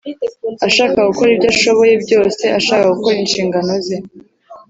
ashaka gukora ibyo ashoboye byose; ashaka gukora inshingano ze.